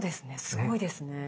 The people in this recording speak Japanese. すごいですね。